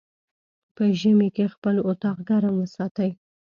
په ژمی کی خپل اطاق ګرم وساتی